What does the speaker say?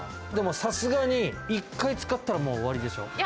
でもさすがに１回使ったら終わりでしょ？